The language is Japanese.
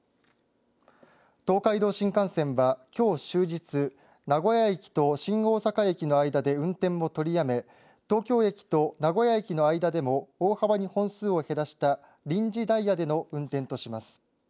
東海道新幹線はきょう終日名古屋駅と新大阪駅の間で運転を取りやめ東京駅と名古屋駅の間でも大幅に本数を減らした臨時ダイヤでの運転とします。